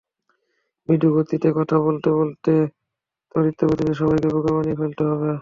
মৃদু গতিতে কথা বলতে বলতে ত্বরিতগতিতে সবাইকে বোকা বানিয়ে ফেলতে হবে।